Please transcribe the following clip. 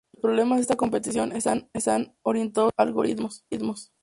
Los problemas de esta competición están orientados a los algoritmos.